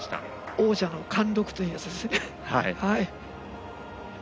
王者の貫禄というやつですね。